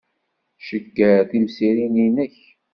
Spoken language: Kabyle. Cegger timsirin-nnek.